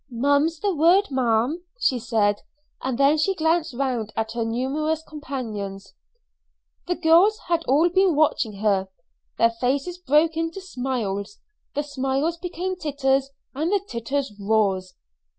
"Mum's the word, ma'am," she said, and then she glanced round at her numerous companions. The girls had all been watching her. Their faces broke into smiles, the smiles became titters, and the titters roars.